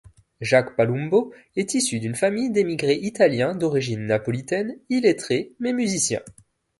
Jacques Palumbo est issu d’une famille d’émigrés italiens d’origine napolitaine, illettrés, mais musiciens.